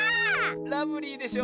ラブリーでしょ。